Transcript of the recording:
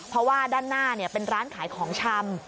เพราะว่าด้านหน้าเป็นร้านขายของชำ